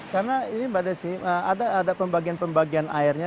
karena ini mbak desi ada pembagian pembagian airnya